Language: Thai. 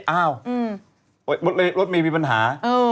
อ้าวรถเมย์มีปัญหา